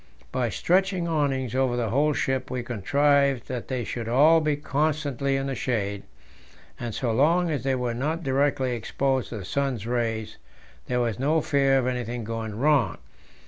By stretching awnings over the whole ship we contrived that they should all be constantly in the shade, and so long as they were not directly exposed to the sun's rays, there was no fear of anything going wrong.